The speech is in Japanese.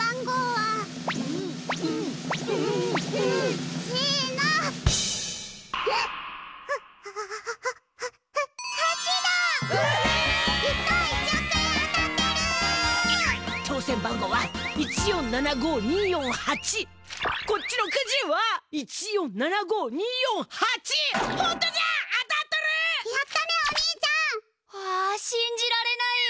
はあしんじられないよ。